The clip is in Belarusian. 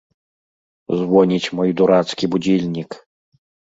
Звоніць мой дурацкі будзільнік!